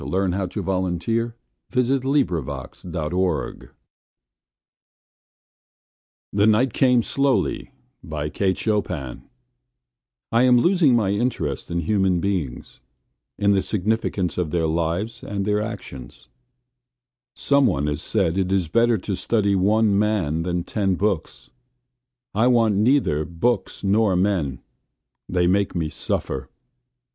Listen to this text (help | file info or download) 109928The Night Came Slowly1895Kate Chopin I am losing my interest in human beings; in the significance of their lives and their actions. Some one has said it is better to study one man than ten books. I want neither books nor men; they make me suffer.